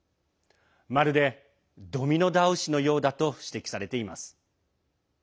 まるでドミノ倒しのようだと指摘されています。